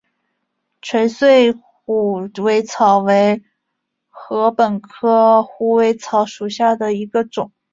垂穗虎尾草为禾本科虎尾草属下的一个种。